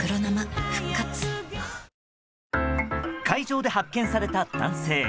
海上で発見された男性。